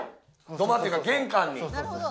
土間っていうか玄関に。